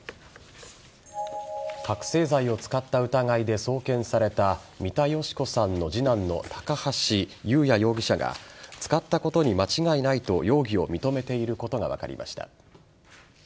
覚醒剤を使った疑いで送検された三田佳子さんの次男の高橋祐也容疑者は使ったことに間違いないと容疑を認めていることが分かりました。